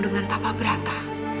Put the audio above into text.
dengan tapah berata